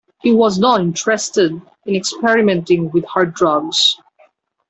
He was not interested in experimenting with hard drugs.